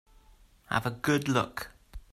Have a good look.